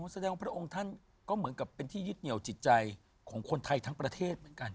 แสดงว่าพระองค์ท่านก็เหมือนกับเป็นที่ยึดเหนียวจิตใจของคนไทยทั้งประเทศเหมือนกัน